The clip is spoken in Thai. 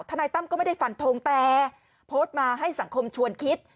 นายตั้มก็ไม่ได้ฟันทงแต่โพสต์มาให้สังคมชวนคิด